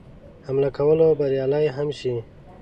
حمله کولو بریالی هم شي.